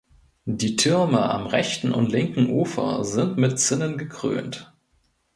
Die Türme am rechten und linken Ufer sind mit Zinnen gekrönt.